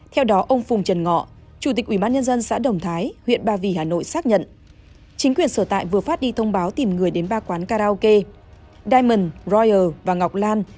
theo đó ông phùng trần ngọ chủ tịch ubnd xã đồng thái huyện ba vì hà nội xác nhận chính quyền sở tại vừa phát đi thông báo tìm người đến ba quán karaoke diamond proyer và ngọc lan